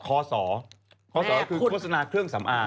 คศคือโฆษณาเครื่องสำอาง